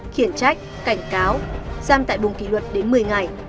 khiển trách cảnh cáo giam tại buồng kỷ luật đến một mươi ngày